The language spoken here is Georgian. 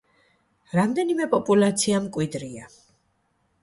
რამდენიმე პოპულაცია მკვიდრია.